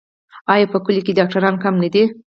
آیا په کلیو کې ډاکټران کم نه دي؟